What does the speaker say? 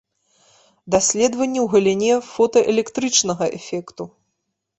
Даследаванні ў галіне фотаэлектрычнага эфекту.